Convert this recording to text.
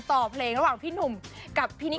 ต่อเพลงระหว่างพี่หนุ่มกับพี่นิด